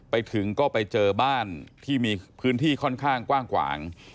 ไปถึงก็ไปเจอบ้านที่มีพื้นที่ค่อนข้างกว้างขวาง